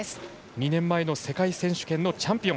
２年前の世界選手権のチャンピオン。